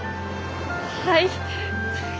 はい。